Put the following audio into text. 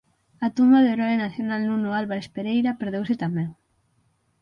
A tumba do heroe nacional Nuno Álvares Pereira perdeuse tamén.